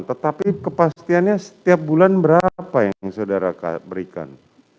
tetapi kepastiannya setiap bulan berapa yang saudara berikan